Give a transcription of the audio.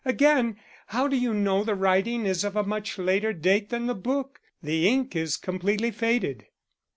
Again, how do you know the writing is of a much later date than the book? The ink is completely faded."